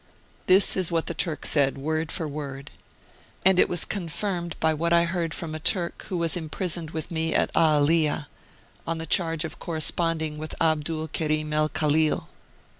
This is what the Turk said, word for word. And it was confirmed by what I heard from a Turk who was imprisoned with me at Aaliya, on the charge of con^sponding with Abdul Kerim el Khalil.